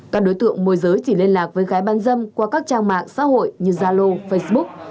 các đối tượng môi giới chỉ liên lạc với gái bán dâm qua các trang mạng xã hội như zalo facebook